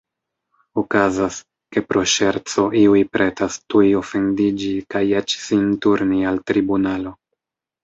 Okazas, ke pro ŝerco iuj pretas tuj ofendiĝi kaj eĉ sin turni al tribunalo.